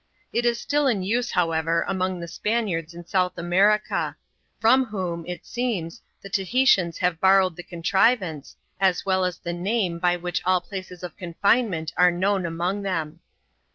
It is still in use, however, among the Spaniards in South America ; from whom, it seems, the Tahitians have bor rowed the contrivance, as well as the name by which all places of confinement are known among them.